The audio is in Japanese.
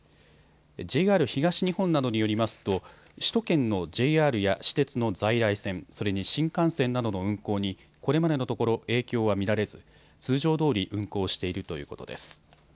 ＪＲ東日本などによりますと首都圏のＪＲや私鉄の在来線、それに新幹線などの運行にこれまでのところ影響は見られず通常どおり運行しているということです。